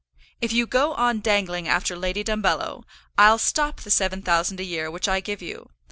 If you go on dangling after Lady Dumbello, I'll stop the seven thousand a year which I give you.